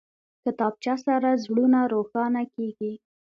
کتابچه سره زړونه روښانه کېږي